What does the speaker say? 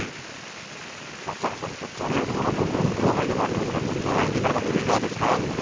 松坂さんにとっては横浜高校の後輩でもありますが近藤の今のバッティングはいかがですか？